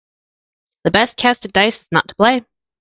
The best cast at dice is not to play.